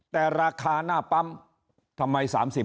แต่ราคาหน้าปั๊มทำไม๓๕บาทนะครับ